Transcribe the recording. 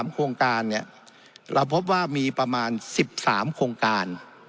๓โครงการเราพบว่ามีประมาณ๑๓โครงการ